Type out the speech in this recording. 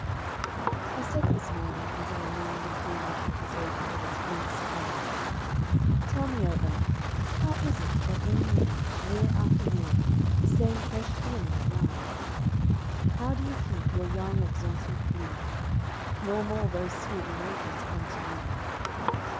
I said this morning, as I leaned and threw My shutters open to the Spring's surprise, "Tell me, O Earth, how is it that in you Year after year the same fresh feelings rise? How do you keep your young exultant glee? No more those sweet emotions come to me.